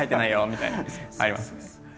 みたいなありますね。